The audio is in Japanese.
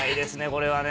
これはね